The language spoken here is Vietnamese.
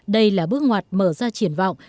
đây là bước ngoặt mở ra triển vọng